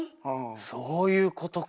そういうことか。